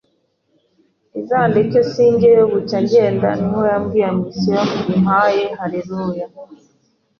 izandeke sinjyeyo, bucya ngenda niho yambwiye mission impaye, Haleluya!